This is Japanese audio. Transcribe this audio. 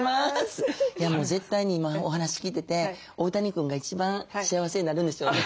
もう絶対に今お話聞いてて大谷君が一番幸せになるんでしょうね。